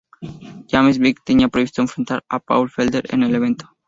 James Vick tenía previsto enfrentar a Paul Felder en el evento.